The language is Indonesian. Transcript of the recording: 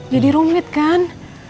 jadi rumit kan